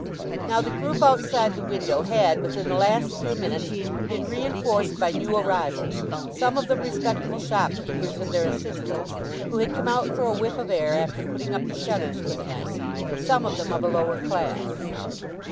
Now the group outside the window had within the last few minutes been reinforced by new arrivals, some of them respectable shopkeepers and their assistants, who had come out for a whiff of air after putting up the shutters for the night; some of them of a lower class.